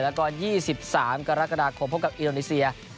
และก็๒๓กรกฎาคมเจอกับอิโนเนเซีย